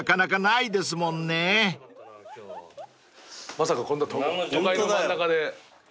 まさかこんな都会の真ん中で。